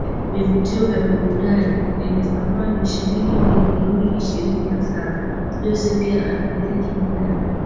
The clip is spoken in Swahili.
Vivutio vya burudani vyenye thamani shilingi milioni ishirini na saba Jose pia anamiliki magari